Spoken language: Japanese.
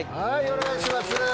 お願いします。